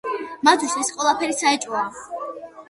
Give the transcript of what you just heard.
მათთვის ეს ყველაფერი საეჭვოა.